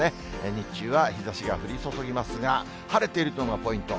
日中は日ざしが降り注ぎますが、晴れているのがポイント。